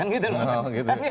kan gitu loh